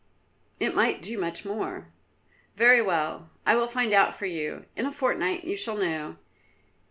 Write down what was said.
"It might do much more." "Very well, I will find out for you; in a fortnight you shall know.